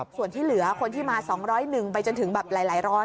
ส่วนที่เหลือคนที่มา๒๐๑ไปจนถึงแบบหลายร้อย